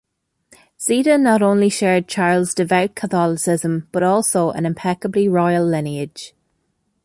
Zita not only shared Charles' devout Catholicism, but also an impeccably royal lineage.